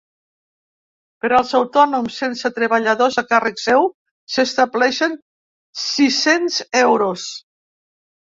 Per als autònoms sense treballadors a càrrec seu, s’estableixen sis-cents euros.